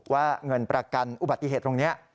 ว่าเงินประกันอุบัติเหตุตรงนี้